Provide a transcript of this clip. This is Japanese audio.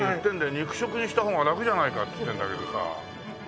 肉食にした方がラクじゃないかっつってんだけどさ。